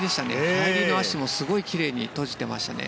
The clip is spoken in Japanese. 入りの足もすごいきれいに閉じていましたね。